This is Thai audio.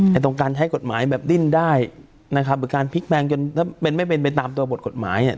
ตรงการใช้กฎหมายแบบดิ้นได้นะครับหรือการพลิกแปลงจนถ้าเป็นไม่เป็นไปตามตัวบทกฎหมายเนี่ย